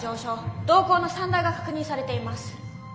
瞳孔の散大が確認されています。